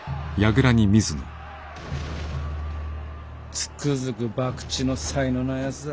つくづく博打の才のないやつだ。